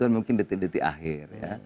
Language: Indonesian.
mungkin detik detik akhir